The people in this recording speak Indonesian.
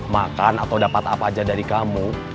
makan atau dapat apa aja dari kamu